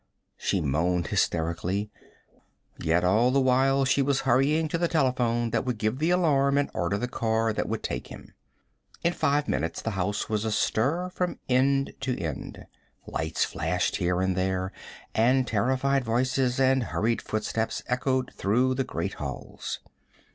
she moaned hysterically; yet all the while she was hurrying to the telephone that would give the alarm and order the car that would take him. In five minutes the house was astir from end to end. Lights flashed here and there, and terrified voices and hurried footsteps echoed through the great halls.